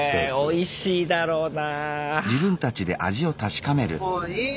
おいしいだろうな。